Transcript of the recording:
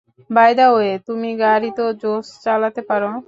By the way, তুমি গাড়ি তো জোস চালাতে পারো!